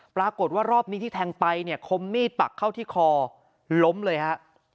ปรากฏว่ารอบนี้ที่แทงไปเนี่ยคมมีดปักเข้าที่คอล้มเลยฮะ